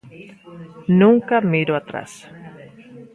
_Nunca miro atrás.